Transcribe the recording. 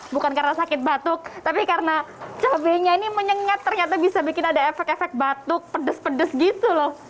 bukan karena sakit batuk tapi karena cabainya ini menyengat ternyata bisa bikin ada efek efek batuk pedes pedes gitu loh